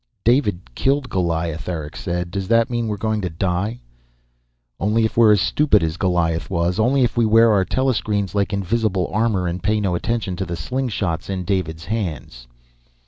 "David killed Goliath," Eric said. "Does that mean we're going to die?" "Only if we're as stupid as Goliath was. Only if we wear our telescreens like invincible armor and pay no attention to the slingshot in David's hands."